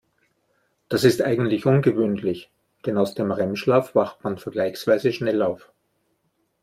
Das ist eigentlich ungewöhnlich, denn aus dem REM-Schlaf wacht man vergleichsweise schnell auf.